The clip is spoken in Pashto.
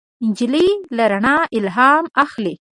نجلۍ له رڼا الهام اخلي.